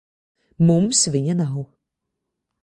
Mums viņa nav.